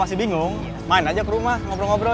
masih bingung main aja ke rumah ngobrol ngobrol